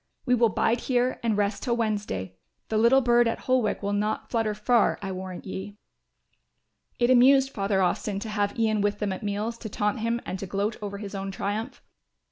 We will bide here and rest till Wednesday; the little bird at Holwick will not flutter far, I warrant ye." It amused Father Austin to have Ian with them at meals to taunt him and to gloat over his own triumph.